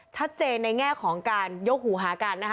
ชัดเจนในแง่ของการยกหูหากันนะคะ